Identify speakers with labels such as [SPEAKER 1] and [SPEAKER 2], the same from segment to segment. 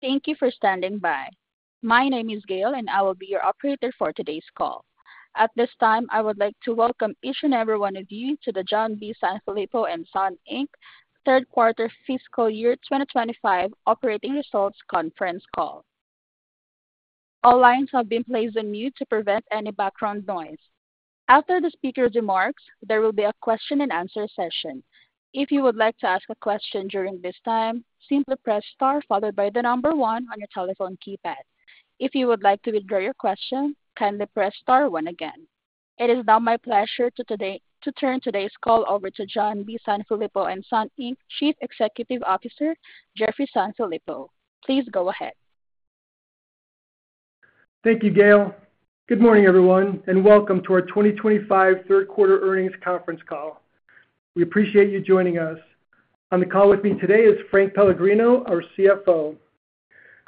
[SPEAKER 1] Thank you for standing by. My name is Gail, and I will be your operator for today's call. At this time, I would like to welcome each and every one of you to the John B. Sanfilippo & Son Third Quarter Fiscal Year 2025 Operating Results Conference Call. All lines have been placed on mute to prevent any background noise. After the speaker's remarks, there will be a question and answer session. If you would like to ask a question during this time, simply press star followed by the number one on your telephone keypad. If you would like to withdraw your question, kindly press star one again. It is now my pleasure to turn today's call over to John B. Sanfilippo & Son Chief Executive Officer, Jeffrey Sanfilippo. Please go ahead.
[SPEAKER 2] Thank you, Gail. Good morning, everyone, and welcome to our 2025 Third Quarter Earnings Conference Call. We appreciate you joining us. On the call with me today is Frank Pellegrino, our CFO.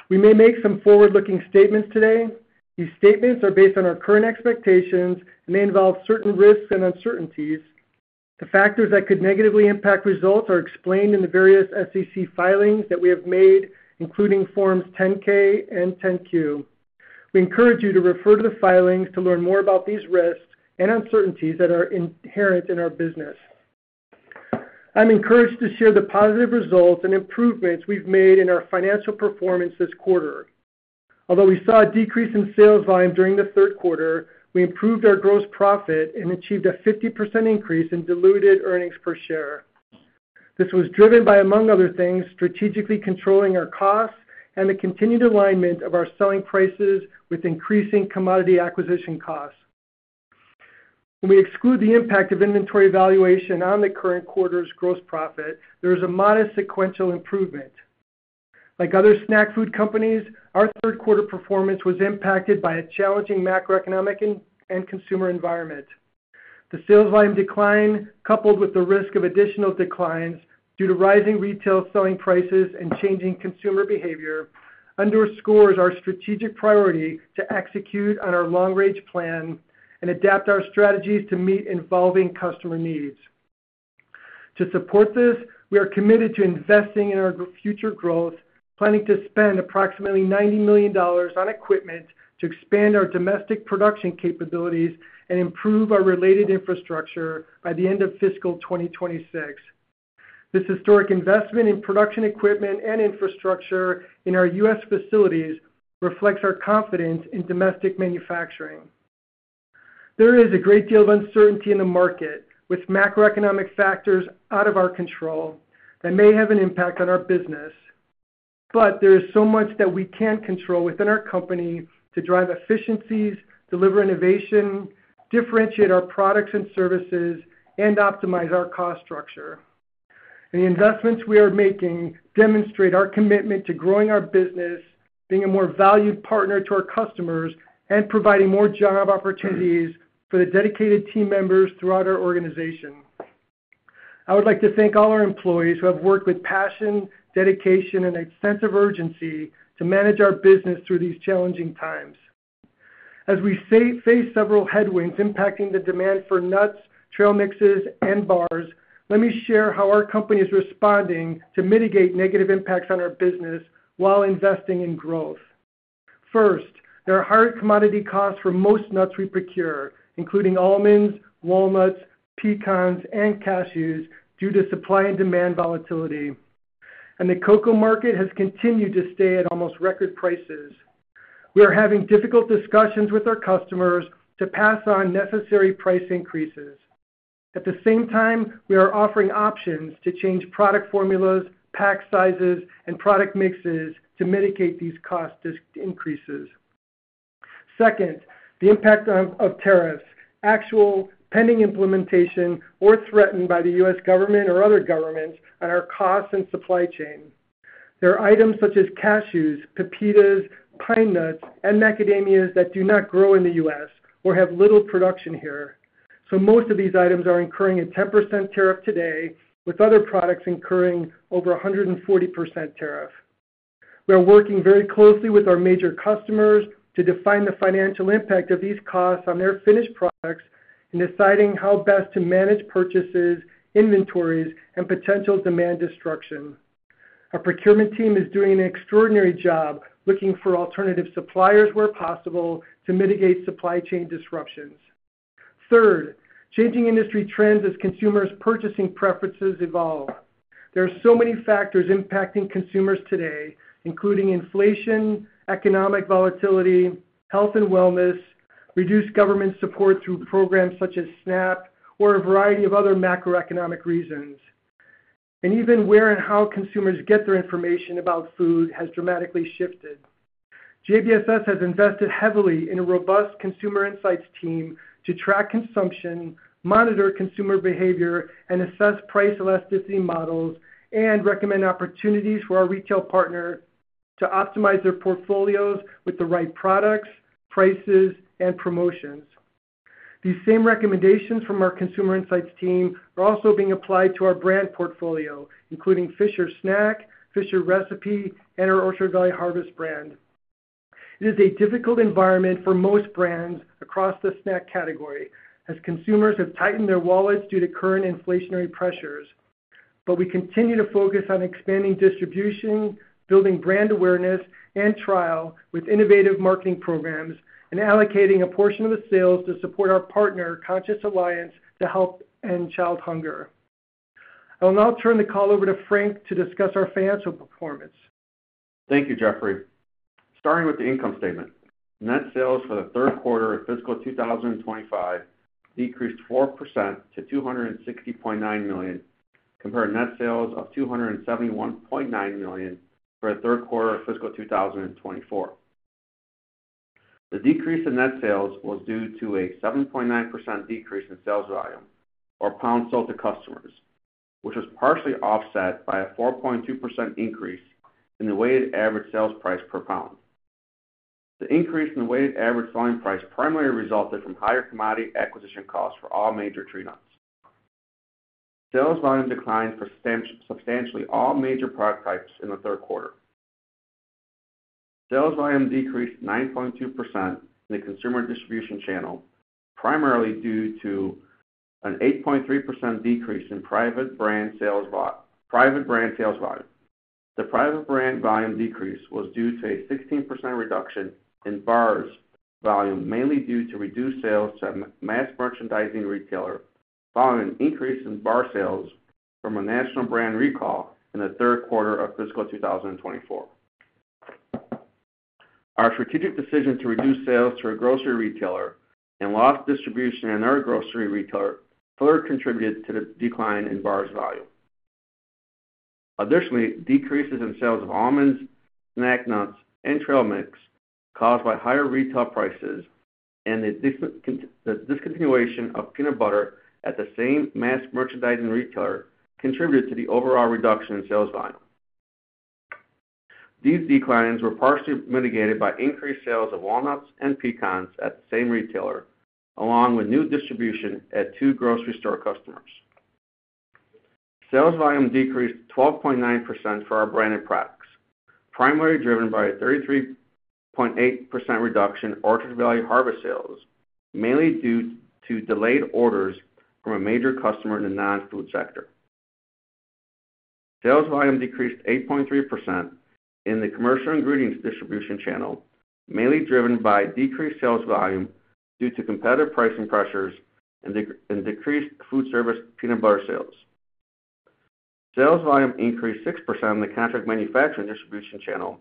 [SPEAKER 2] We may make some forward-looking statements today. These statements are based on our current expectations and may involve certain risks and uncertainties. The factors that could negatively impact results are explained in the various SEC filings that we have made, including Forms 10-K and 10-Q. We encourage you to refer to the filings to learn more about these risks and uncertainties that are inherent in our business. I'm encouraged to share the positive results and improvements we've made in our financial performance this quarter. Although we saw a decrease in sales volume during the third quarter, we improved our gross profit and achieved a 50% increase in diluted earnings per share. This was driven by, among other things, strategically controlling our costs and the continued alignment of our selling prices with increasing commodity acquisition costs. When we exclude the impact of inventory valuation on the current quarter's gross profit, there is a modest sequential improvement. Like other snack food companies, our third quarter performance was impacted by a challenging macroeconomic and consumer environment. The sales volume decline, coupled with the risk of additional declines due to rising retail selling prices and changing consumer behavior, underscores our strategic priority to execute on our long-range plan and adapt our strategies to meet evolving customer needs. To support this, we are committed to investing in our future growth, planning to spend approximately $90 million on equipment to expand our domestic production capabilities and improve our related infrastructure by the end of fiscal 2026. This historic investment in production equipment and infrastructure in our U.S. Facilities reflects our confidence in domestic manufacturing. There is a great deal of uncertainty in the market, with macroeconomic factors out of our control that may have an impact on our business. There is so much that we can control within our company to drive efficiencies, deliver innovation, differentiate our products and services, and optimize our cost structure. The investments we are making demonstrate our commitment to growing our business, being a more valued partner to our customers, and providing more job opportunities for the dedicated team members throughout our organization. I would like to thank all our employees who have worked with passion, dedication, and a sense of urgency to manage our business through these challenging times. As we face several headwinds impacting the demand for nuts, trail mixes, and bars, let me share how our company is responding to mitigate negative impacts on our business while investing in growth. First, there are higher commodity costs for most nuts we procure, including almonds, walnuts, pecans, and cashews, due to supply and demand volatility. The cocoa market has continued to stay at almost record prices. We are having difficult discussions with our customers to pass on necessary price increases. At the same time, we are offering options to change product formulas, pack sizes, and product mixes to mitigate these cost increases. Second, the impact of tariffs: actual pending implementation or threatened by the U.S. government or other governments on our costs and supply chain. There are items such as cashews, pepitas, pine nuts, and macadamias that do not grow in the U.S. or have little production here. Most of these items are incurring a 10% tariff today, with other products incurring over a 140% tariff. We are working very closely with our major customers to define the financial impact of these costs on their finished products and deciding how best to manage purchases, inventories, and potential demand destruction. Our procurement team is doing an extraordinary job looking for alternative suppliers where possible to mitigate supply chain disruptions. Third, changing industry trends as consumers' purchasing preferences evolve. There are so many factors impacting consumers today, including inflation, economic volatility, health and wellness, reduced government support through programs such as SNAP, or a variety of other macroeconomic reasons. Even where and how consumers get their information about food has dramatically shifted. JBSS has invested heavily in a robust consumer insights team to track consumption, monitor consumer behavior, and assess price elasticity models, and recommend opportunities for our retail partner to optimize their portfolios with the right products, prices, and promotions. These same recommendations from our consumer insights team are also being applied to our brand portfolio, including Fisher Snack, Fisher Recipe, and our Orchard Valley Harvest brand. It is a difficult environment for most brands across the snack category, as consumers have tightened their wallets due to current inflationary pressures. We continue to focus on expanding distribution, building brand awareness and trial with innovative marketing programs, and allocating a portion of the sales to support our partner, Conscious Alliance, to help end child hunger. I will now turn the call over to Frank to discuss our financial performance.
[SPEAKER 3] Thank you, Jeffrey. Starting with the income statement, net sales for the third quarter of fiscal 2025 decreased 4% to $260.9 million, compared to net sales of $271.9 million for the third quarter of fiscal 2024. The decrease in net sales was due to a 7.9% decrease in sales volume, or pounds sold to customers, which was partially offset by a 4.2% increase in the weighted average sales price per pound. The increase in the weighted average selling price primarily resulted from higher commodity acquisition costs for all major tree nuts. Sales volume declined substantially for all major product types in the third quarter. Sales volume decreased 9.2% in the consumer distribution channel, primarily due to an 8.3% decrease in private brand sales volume. The private brand volume decrease was due to a 16% reduction in bars volume, mainly due to reduced sales to a mass merchandising retailer, following an increase in bar sales from a national brand recall in the third quarter of fiscal 2024. Our strategic decision to reduce sales to a grocery retailer and lost distribution in our grocery retailer further contributed to the decline in bars volume. Additionally, decreases in sales of almonds, snack nuts, and trail mix caused by higher retail prices and the discontinuation of peanut butter at the same mass merchandising retailer contributed to the overall reduction in sales volume. These declines were partially mitigated by increased sales of walnuts and pecans at the same retailer, along with new distribution at two grocery store customers. Sales volume decreased 12.9% for our branded products, primarily driven by a 33.8% reduction in Orchard Valley Harvest sales, mainly due to delayed orders from a major customer in the non-food sector. Sales volume decreased 8.3% in the commercial ingredients distribution channel, mainly driven by decreased sales volume due to competitive pricing pressures and decreased food service peanut butter sales. Sales volume increased 6% in the contract manufacturing distribution channel,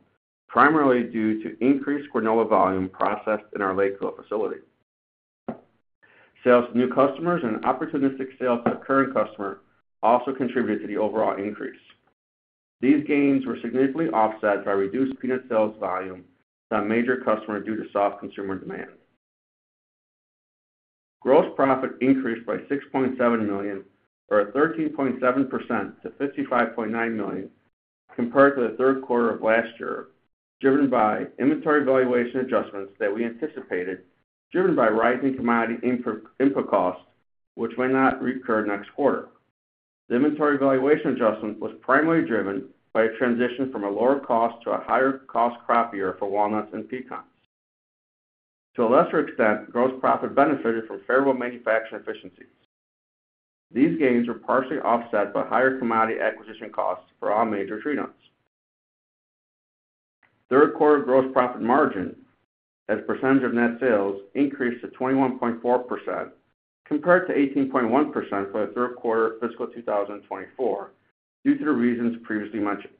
[SPEAKER 3] primarily due to increased granola volume processed in our Lakeville facility. Sales to new customers and opportunistic sales to current customers also contributed to the overall increase. These gains were significantly offset by reduced peanut sales volume to a major customer due to soft consumer demand. Gross profit increased by $6.7 million, or 13.7%, to $55.9 million, compared to the third quarter of last year, driven by inventory valuation adjustments that we anticipated, driven by rising commodity input costs, which may not recur next quarter. The inventory valuation adjustment was primarily driven by a transition from a lower cost to a higher cost crop year for walnuts and pecans. To a lesser extent, gross profit benefited from favorable manufacturing efficiencies. These gains were partially offset by higher commodity acquisition costs for all major tree nuts. Third quarter gross profit margin as percentage of net sales increased to 21.4%, compared to 18.1% for the third quarter of fiscal 2024, due to the reasons previously mentioned.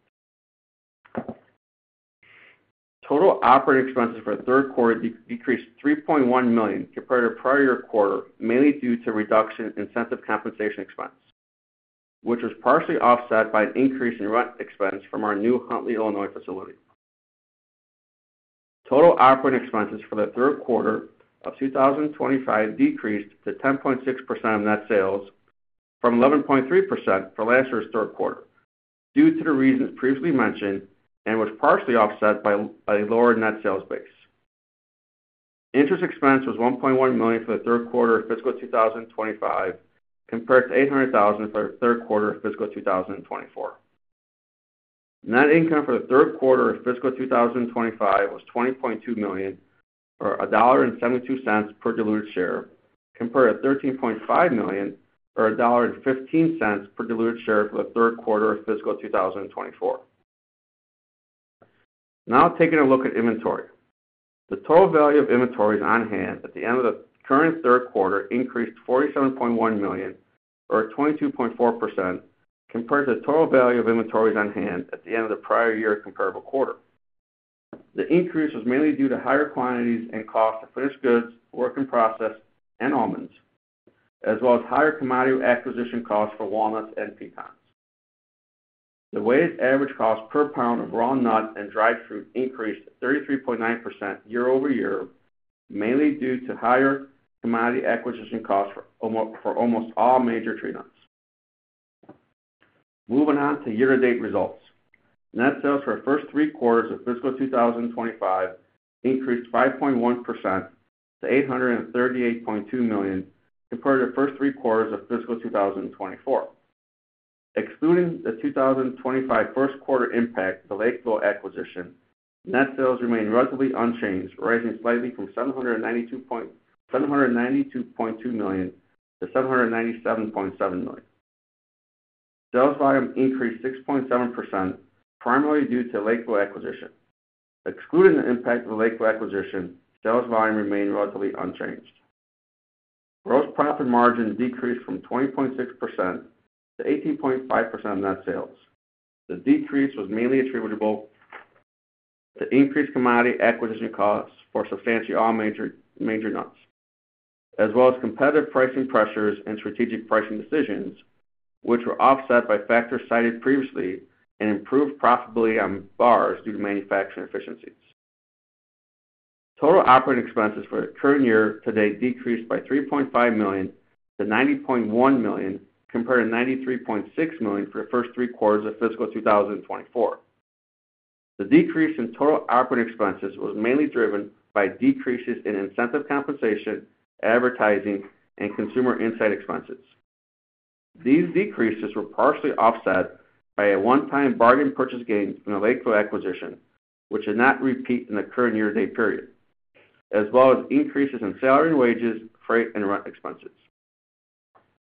[SPEAKER 3] Total operating expenses for the third quarter decreased $3.1 million compared to prior quarter, mainly due to reduction in incentive compensation expense, which was partially offset by an increase in rent expense from our new Huntley, Illinois facility. Total operating expenses for the third quarter of 2025 decreased to 10.6% of net sales from 11.3% for last year's third quarter, due to the reasons previously mentioned and was partially offset by a lower net sales base. Interest expense was $1.1 million for the third quarter of fiscal 2025, compared to $800,000 for the third quarter of fiscal 2024. Net income for the third quarter of fiscal 2025 was $20.2 million, or $1.72 per diluted share, compared to $13.5 million, or $1.15 per diluted share for the third quarter of fiscal 2024. Now, taking a look at inventory. The total value of inventories on hand at the end of the current third quarter increased $47.1 million, or 22.4%, compared to the total value of inventories on hand at the end of the prior year comparable quarter. The increase was mainly due to higher quantities and costs of finished goods, work in process, and almonds, as well as higher commodity acquisition costs for walnuts and pecans. The weighted average cost per pound of raw nut and dried fruit increased 33.9% year-over-year, mainly due to higher commodity acquisition costs for almost all major tree nuts. Moving on to year-to-date results. Net sales for the first three quarters of fiscal 2025 increased 5.1% to $838.2 million, compared to the first three quarters of fiscal 2024. Excluding the 2025 first quarter impact to Lakeville acquisition, net sales remained relatively unchanged, rising slightly from $792.2 million to $797.7 million. Sales volume increased 6.7%, primarily due to the Lakeville acquisition. Excluding the impact of the Lakeville acquisition, sales volume remained relatively unchanged. Gross profit margin decreased from 20.6% to 18.5% of net sales. The decrease was mainly attributable to increased commodity acquisition costs for substantially all major nuts, as well as competitive pricing pressures and strategic pricing decisions, which were offset by factors cited previously and improved profitability on bars due to manufacturing efficiencies. Total operating expenses for the current year to date decreased by $3.5 million to $90.1 million, compared to $93.6 million for the first three quarters of fiscal 2024. The decrease in total operating expenses was mainly driven by decreases in incentive compensation, advertising, and consumer insight expenses. These decreases were partially offset by a one-time bargain purchase gain from the Lakeville acquisition, which did not repeat in the current year-to-date period, as well as increases in salary and wages, freight, and rent expenses.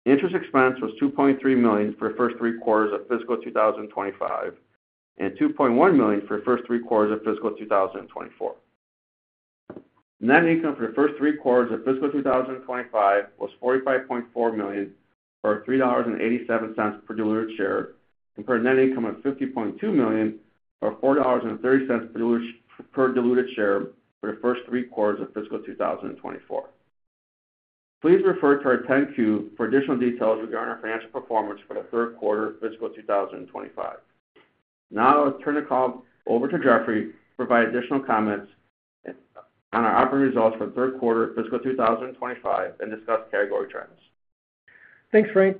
[SPEAKER 3] Interest expense was $2.3 million for the first three quarters of fiscal 2025 and $2.1 million for the first three quarters of fiscal 2024. Net income for the first three quarters of fiscal 2025 was $45.4 million or $3.87 per diluted share, compared to net income of $50.2 million or $4.30 per diluted share for the first three quarters of fiscal 2024. Please refer to our 10-Q for additional details regarding our financial performance for the third quarter of fiscal 2025. Now, I will turn the call over to Jeffrey to provide additional comments on our operating results for the third quarter of fiscal 2025 and discuss category trends.
[SPEAKER 2] Thanks, Frank.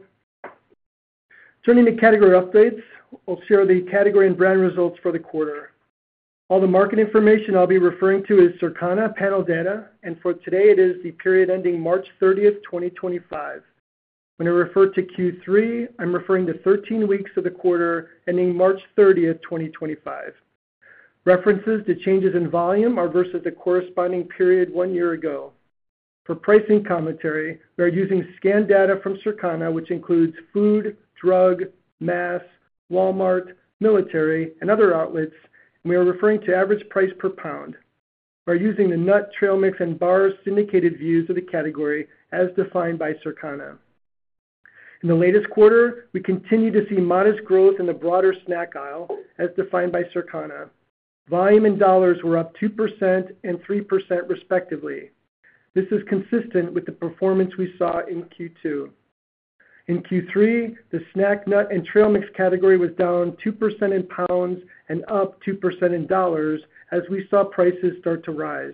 [SPEAKER 2] Turning to category updates, I'll share the category and brand results for the quarter. All the market information I'll Circana panel data, and for today, it is the period ending March 30, 2025. When I refer to Q3, I'm referring to 13 weeks of the quarter ending March 30, 2025. References to changes in volume are versus the corresponding period one year ago. For pricing commentary, we are using scanned data from Circana, which includes food, drug, mass, Walmart, military, and other outlets, and we are referring to average price per pound. We are using the nut, trail mix, and bars syndicated views of the category as defined by Circana. In the latest quarter, we continue to see modest growth in the broader snack aisle, as defined by Circana. Volume and dollars were up 2% and 3%, respectively. This is consistent with the performance we saw in Q2. In Q3, the snack, nut, and trail mix category was down 2% in pounds and up 2% in dollars, as we saw prices start to rise.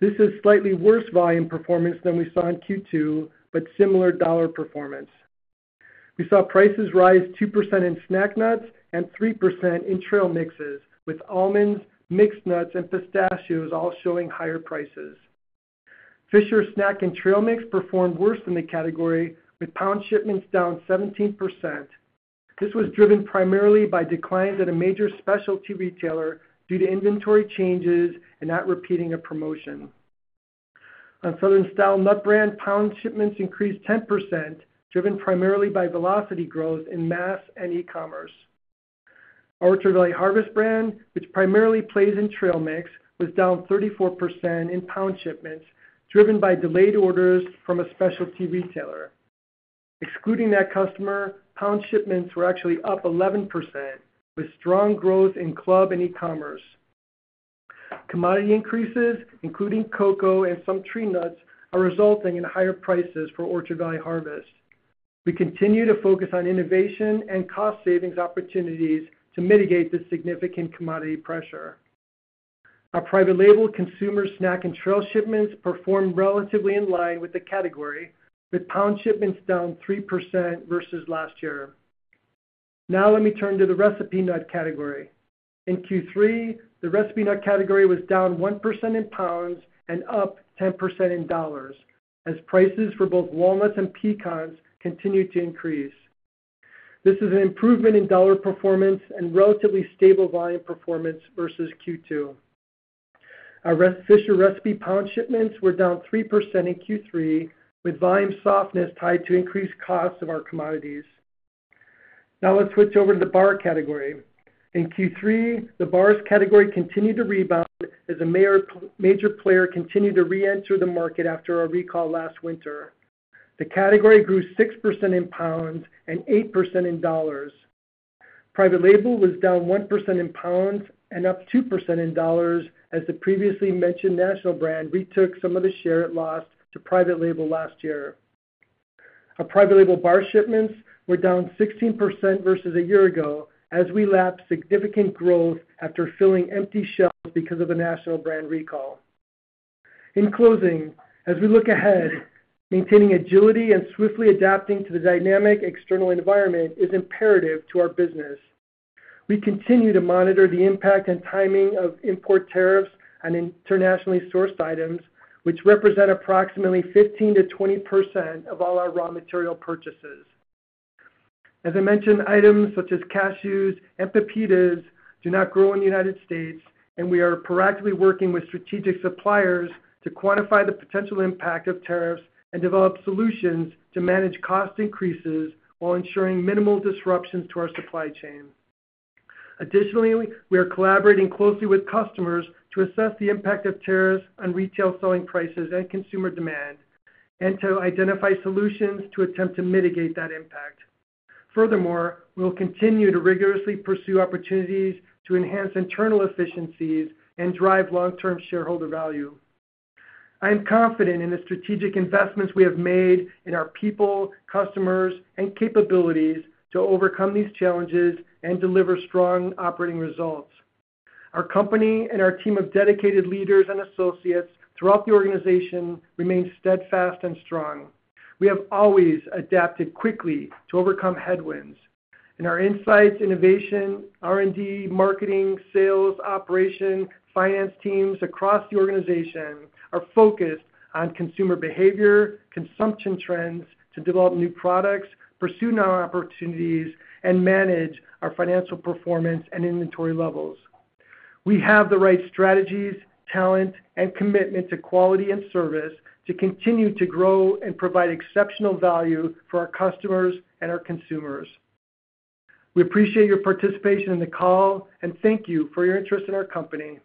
[SPEAKER 2] This is slightly worse volume performance than we saw in Q2, but similar dollar performance. We saw prices rise 2% in snack nuts and 3% in trail mixes, with almonds, mixed nuts, and pistachios all showing higher prices. Fisher Snack and trail mix performed worse than the category, with pound shipments down 17%. This was driven primarily by declines at a major specialty retailer due to inventory changes and not repeating a promotion. On Southern Style Nuts brand, pound shipments increased 10%, driven primarily by velocity growth in mass and e-commerce. Orchard Valley Harvest brand, which primarily plays in trail mix, was down 34% in pound shipments, driven by delayed orders from a specialty retailer. Excluding that customer, pound shipments were actually up 11%, with strong growth in club and e-commerce. Commodity increases, including cocoa and some tree nuts, are resulting in higher prices for Orchard Valley Harvest. We continue to focus on innovation and cost savings opportunities to mitigate this significant commodity pressure. Our private label consumer snack and trail shipments performed relatively in line with the category, with pound shipments down 3% versus last year. Now, let me turn to the recipe nut category. In Q3, the recipe nut category was down 1% in pounds and up 10% in dollars, as prices for both walnuts and pecans continued to increase. This is an improvement in dollar performance and relatively stable volume performance versus Q2. Our Fisher recipe pound shipments were down 3% in Q3, with volume softness tied to increased costs of our commodities. Now, let's switch over to the bar category. In Q3, the bars category continued to rebound as a major player continued to re-enter the market after a recall last winter. The category grew 6% in pounds and 8% in dollars. Private label was down 1% in pounds and up 2% in dollars, as the previously mentioned national brand retook some of the share it lost to private label last year. Our private label bar shipments were down 16% versus a year ago, as we lapped significant growth after filling empty shelves because of the national brand recall. In closing, as we look ahead, maintaining agility and swiftly adapting to the dynamic external environment is imperative to our business. We continue to monitor the impact and timing of import tariffs on internationally sourced items, which represent approximately 15%-20% of all our raw material purchases. As I mentioned, items such as cashews and pepitas do not grow in the United States, and we are proactively working with strategic suppliers to quantify the potential impact of tariffs and develop solutions to manage cost increases while ensuring minimal disruptions to our supply chain. Additionally, we are collaborating closely with customers to assess the impact of tariffs on retail selling prices and consumer demand, and to identify solutions to attempt to mitigate that impact. Furthermore, we will continue to rigorously pursue opportunities to enhance internal efficiencies and drive long-term shareholder value. I am confident in the strategic investments we have made in our people, customers, and capabilities to overcome these challenges and deliver strong operating results. Our company and our team of dedicated leaders and associates throughout the organization remain steadfast and strong. We have always adapted quickly to overcome headwinds. In our insights, innovation, R&D, marketing, sales, operation, and finance teams across the organization are focused on consumer behavior, consumption trends to develop new products, pursue new opportunities, and manage our financial performance and inventory levels. We have the right strategies, talent, and commitment to quality and service to continue to grow and provide exceptional value for our customers and our consumers. We appreciate your participation in the call, and thank you for your interest in our company.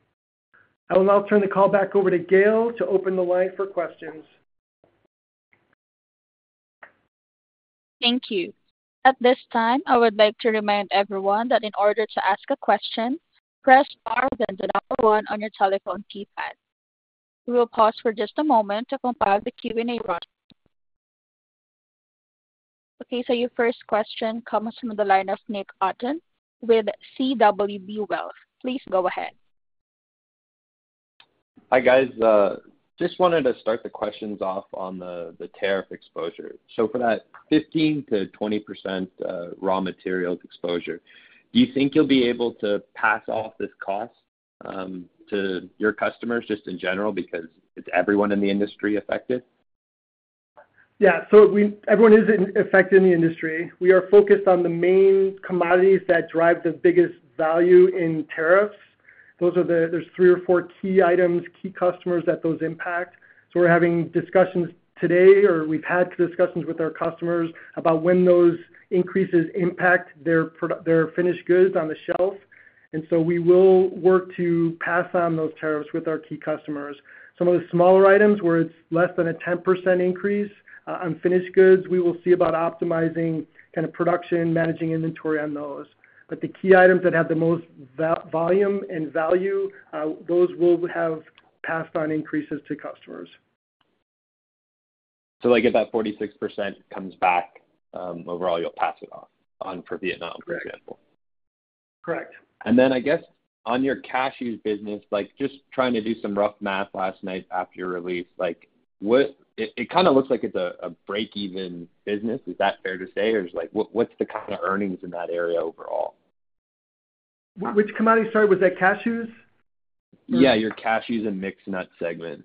[SPEAKER 2] I will now turn the call back over to Gail to open the line for questions.
[SPEAKER 1] Thank you. At this time, I would like to remind everyone that in order to ask a question, press R then the number one on your telephone keypad. We will pause for just a moment to compile the Q&A run. Okay, your first question comes from the line of Nick Otten with CWB Wealth. Please go ahead.
[SPEAKER 4] Hi, guys. Just wanted to start the questions off on the tariff exposure. For that 15%-20% raw materials exposure, do you think you'll be able to pass off this cost to your customers just in general because it's everyone in the industry affected?
[SPEAKER 2] Yeah, so everyone is affected in the industry. We are focused on the main commodities that drive the biggest value in tariffs. There are three or four key items, key customers that those impact. We are having discussions today, or we have had discussions with our customers about when those increases impact their finished goods on the shelf. We will work to pass on those tariffs with our key customers. Some of the smaller items where it is less than a 10% increase on finished goods, we will see about optimizing kind of production, managing inventory on those. The key items that have the most volume and value, those will have passed on increases to customers.
[SPEAKER 4] If that 46% comes back, overall, you'll pass it off on for Vietnam, for example.
[SPEAKER 2] Correct. Correct.
[SPEAKER 4] I guess on your cashews business, just trying to do some rough math last night after your release, it kind of looks like it's a break-even business. Is that fair to say? What's the kind of earnings in that area overall?
[SPEAKER 2] Which commodity? Sorry, was that cashews?
[SPEAKER 4] Yeah, your cashews and mixed nut segment.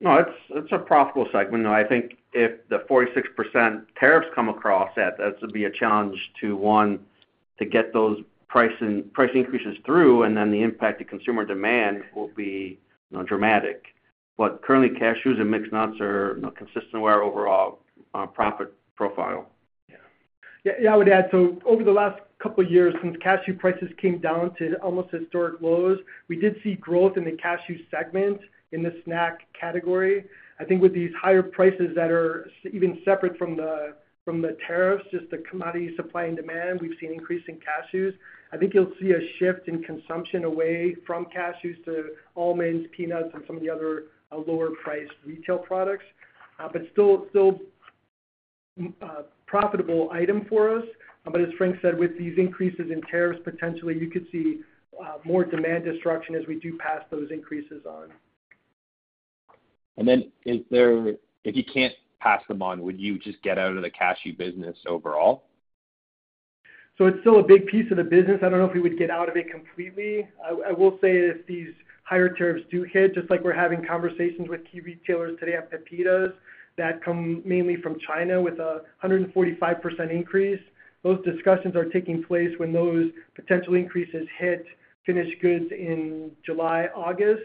[SPEAKER 3] No, it's a profitable segment. I think if the 46% tariffs come across, that's going to be a challenge to, one, get those price increases through, and then the impact to consumer demand will be dramatic. Currently, cashews and mixed nuts are consistent with our overall profit profile.
[SPEAKER 2] Yeah. Yeah, I would add, over the last couple of years, since cashew prices came down to almost historic lows, we did see growth in the cashew segment in the snack category. I think with these higher prices that are even separate from the tariffs, just the commodity supply and demand, we've seen increasing cashews. I think you'll see a shift in consumption away from cashews to almonds, peanuts, and some of the other lower-priced retail products, but still profitable item for us. As Frank said, with these increases in tariffs, potentially you could see more demand destruction as we do pass those increases on.
[SPEAKER 4] If you can't pass them on, would you just get out of the cashew business overall?
[SPEAKER 2] It is still a big piece of the business. I do not know if we would get out of it completely. I will say if these higher tariffs do hit, just like we are having conversations with key retailers today on pepitas that come mainly from China with a 145% increase, those discussions are taking place when those potential increases hit finished goods in July, August.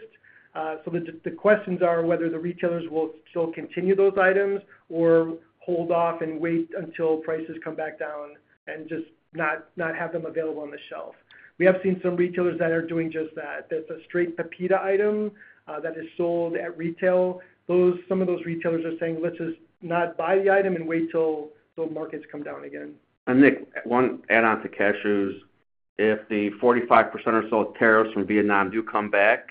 [SPEAKER 2] The questions are whether the retailers will still continue those items or hold off and wait until prices come back down and just not have them available on the shelf. We have seen some retailers that are doing just that. That is a straight pepita item that is sold at retail. Some of those retailers are saying, "Let's just not buy the item and wait till the markets come down again.
[SPEAKER 3] Nick, one add-on to cashews. If the 45% or so tariffs from Vietnam do come back,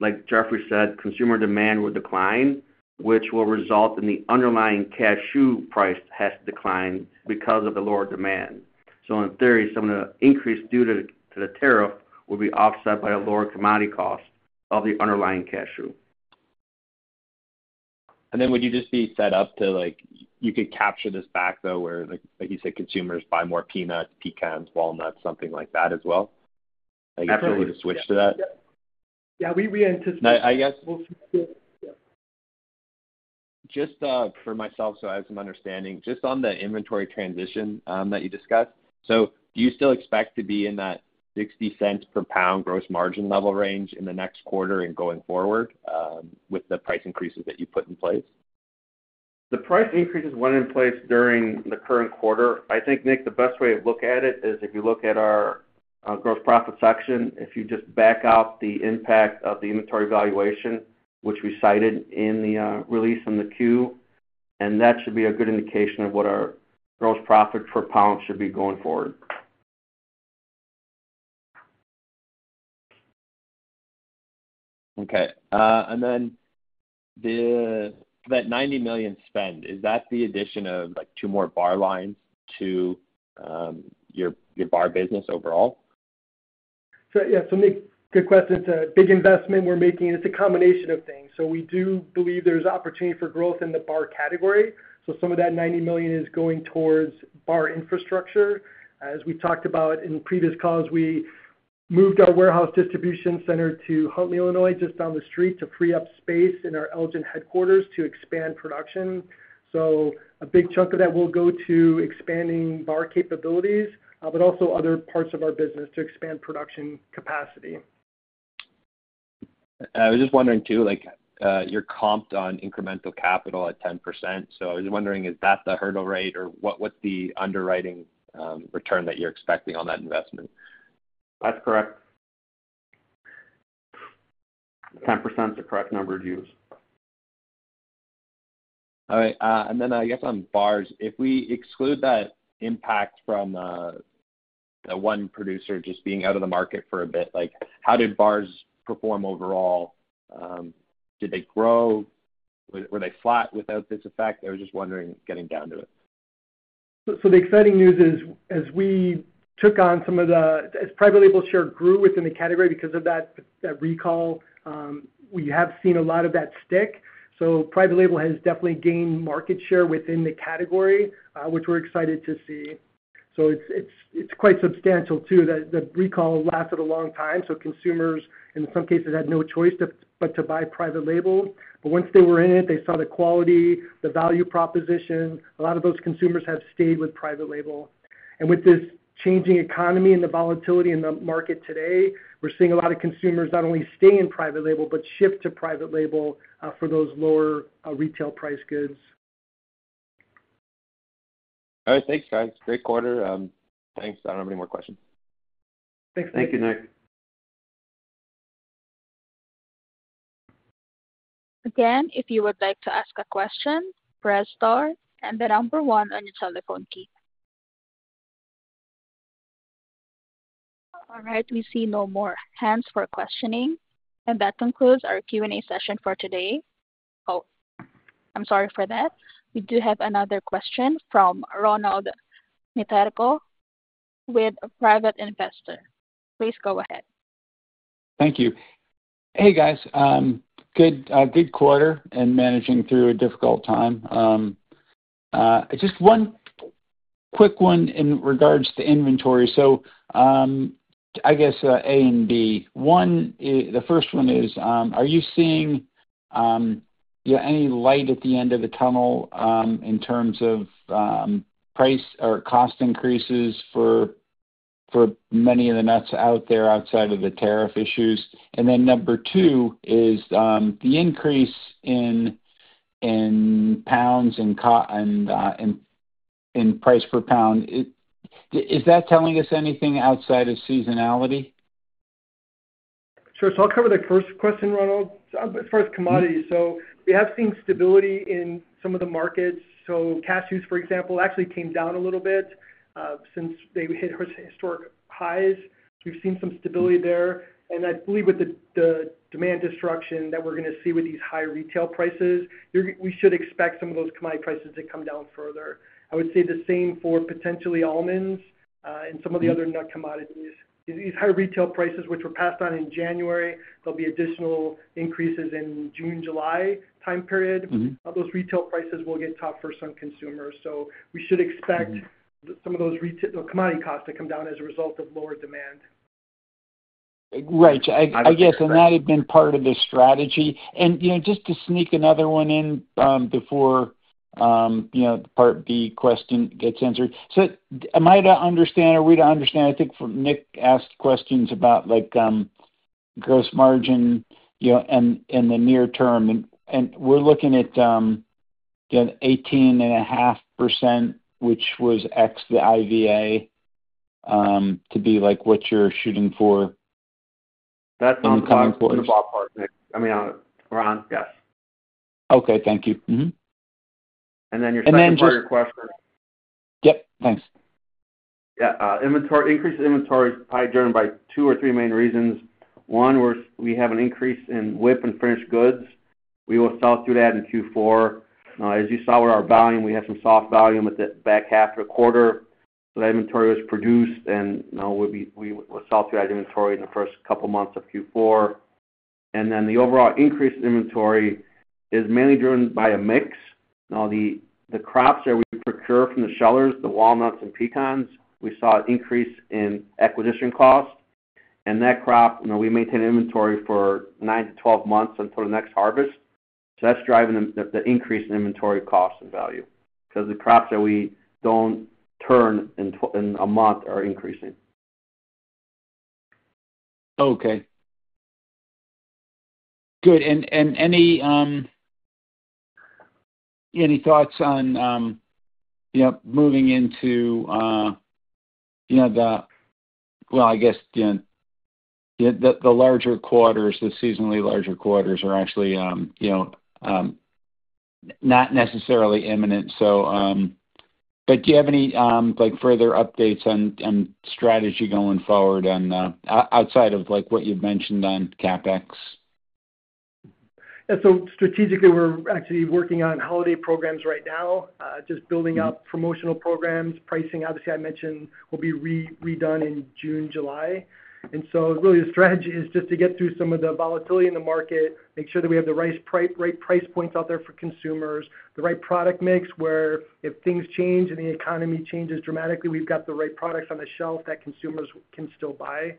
[SPEAKER 3] like Jeffrey said, consumer demand will decline, which will result in the underlying cashew price has to decline because of the lower demand. In theory, some of the increase due to the tariff will be offset by a lower commodity cost of the underlying cashew.
[SPEAKER 4] Would you just be set up to you could capture this back, though, where, like you said, consumers buy more peanuts, pecans, walnuts, something like that as well?
[SPEAKER 2] Absolutely.
[SPEAKER 4] You could switch to that?
[SPEAKER 2] Yeah, we anticipate.
[SPEAKER 4] I guess. We'll see. Just for myself, so I have some understanding, just on the inventory transition that you discussed, do you still expect to be in that 60 cents per pound gross margin level range in the next quarter and going forward with the price increases that you put in place?
[SPEAKER 3] The price increases went in place during the current quarter. I think, Nick, the best way to look at it is if you look at our gross profit section, if you just back out th9e impact of the inventory valuation, which we cited in the release on the Q, and that should be a good indication of what our gross profit per pound should be going forward.
[SPEAKER 4] Okay. That 90 million spend, is that the addition of two more bar lines to your bar business overall?
[SPEAKER 2] Yeah. Nick, good question. It's a big investment we're making. It's a combination of things. We do believe there's opportunity for growth in the bar category. Some of that $90 million is going towards bar infrastructure. As we talked about in previous calls, we moved our warehouse distribution center to Huntley, Illinois, just down the street to free up space in our Elgin headquarters to expand production. A big chunk of that will go to expanding bar capabilities, but also other parts of our business to expand production capacity.
[SPEAKER 4] I was just wondering, too, you're comped on incremental capital at 10%. So I was wondering, is that the hurdle rate, or what's the underwriting return that you're expecting on that investment?
[SPEAKER 3] That's correct. 10% is a correct number to use.
[SPEAKER 4] All right. I guess on bars, if we exclude that impact from the one producer just being out of the market for a bit, how did bars perform overall? Did they grow? Were they flat without this effect? I was just wondering, getting down to it.
[SPEAKER 2] The exciting news is, as we took on some of the private label share grew within the category because of that recall, we have seen a lot of that stick. Private label has definitely gained market share within the category, which we're excited to see. It is quite substantial, too, that the recall lasted a long time. Consumers, in some cases, had no choice but to buy private label. Once they were in it, they saw the quality, the value proposition. A lot of those consumers have stayed with private label. With this changing economy and the volatility in the market today, we're seeing a lot of consumers not only stay in private label but shift to private label for those lower retail price goods.
[SPEAKER 4] All right. Thanks, guys. Great quarter. Thanks. I do not have any more questions.
[SPEAKER 2] Thanks.
[SPEAKER 3] Thank you, Nick.
[SPEAKER 1] Again, if you would like to ask a question, press star and the number one on your telephone key. All right. We see no more hands for questioning. That concludes our Q&A session for today. Oh, I'm sorry for that. We do have another question from Ronald Materko with Private Investor. Please go ahead.
[SPEAKER 5] Thank you. Hey, guys. Good quarter and managing through a difficult time. Just one quick one in regards to inventory. I guess A and B. The first one is, are you seeing any light at the end of the tunnel in terms of price or cost increases for many of the nuts out there outside of the tariff issues? Number two is the increase in pounds and price per pound. Is that telling us anything outside of seasonality?
[SPEAKER 2] Sure. I'll cover the first question, Ronald. As far as commodities, we have seen stability in some of the markets. Cashews, for example, actually came down a little bit since they hit historic highs. We've seen some stability there. I believe with the demand destruction that we're going to see with these high retail prices, we should expect some of those commodity prices to come down further. I would say the same for potentially almonds and some of the other nut commodities. These high retail prices, which were passed on in January, there will be additional increases in the June, July time period. Those retail prices will get tough for some consumers. We should expect some of those commodity costs to come down as a result of lower demand.
[SPEAKER 5] Right. I guess, and that had been part of the strategy. And just to sneak another one in before part B question gets answered. Am I to understand, are we to understand, I think Nick asked questions about gross margin in the near term. We are looking at 18.5%, which was ex the IVA, to be what you're shooting for?
[SPEAKER 3] That's on the cost per ballpark, Nick. I mean, Ron, yes.
[SPEAKER 5] Okay. Thank you.
[SPEAKER 3] Your second part of your question.
[SPEAKER 5] Yep. Thanks.
[SPEAKER 3] Yeah. Increased inventory is probably driven by two or three main reasons. One, we have an increase in WIP and finished goods. We will sell through that in Q4. As you saw with our volume, we had some soft volume at the back half of the quarter. That inventory was produced, and we will sell through that inventory in the first couple of months of Q4. The overall increased inventory is mainly driven by a mix. The crops that we procure from the shellers, the walnuts and pecans, we saw an increase in acquisition cost. That crop, we maintain inventory for 9 to 12 months until the next harvest. That is driving the increase in inventory cost and value because the crops that we do not turn in a month are increasing.
[SPEAKER 5] Okay. Good. Any thoughts on moving into the, I guess the larger quarters, the seasonally larger quarters are actually not necessarily imminent. Do you have any further updates on strategy going forward outside of what you've mentioned on CapEx?
[SPEAKER 2] Yeah. Strategically, we're actually working on holiday programs right now, just building out promotional programs. Pricing, obviously, I mentioned, will be redone in June, July. Really, the strategy is just to get through some of the volatility in the market, make sure that we have the right price points out there for consumers, the right product mix where if things change and the economy changes dramatically, we've got the right products on the shelf that consumers can still buy.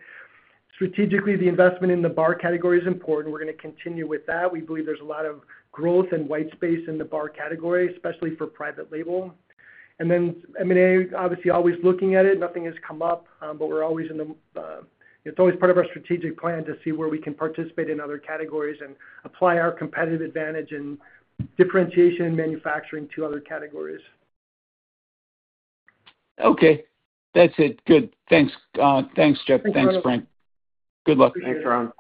[SPEAKER 2] Strategically, the investment in the bar category is important. We're going to continue with that. We believe there's a lot of growth and white space in the bar category, especially for private label. M&A, obviously, always looking at it. Nothing has come up, but we're always in the, it's always part of our strategic plan to see where we can participate in other categories and apply our competitive advantage and differentiation in manufacturing to other categories.
[SPEAKER 5] Okay. That's it. Good. Thanks, Jeff. Thanks, Frank. Good luck.
[SPEAKER 2] Thanks, Ron.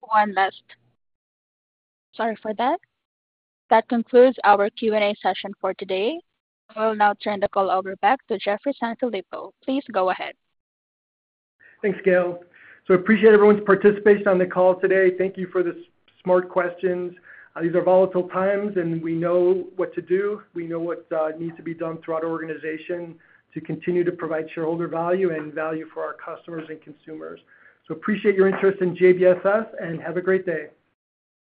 [SPEAKER 1] One last. Sorry for that. That concludes our Q&A session for today. I will now turn the call over back to Jeffrey Sanfilippo. Please go ahead.
[SPEAKER 2] Thanks, Gail. I appreciate everyone's participation on the call today. Thank you for the smart questions. These are volatile times, and we know what to do. We know what needs to be done throughout our organization to continue to provide shareholder value and value for our customers and consumers. I appreciate your interest in JBSS, and have a great day.